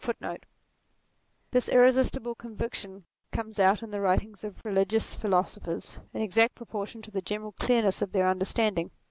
They are bound, for example, to suppose * This irresistible conviction comes out in the writings of religious philosophers, in exact proportion to the general clearness of their un derstanding.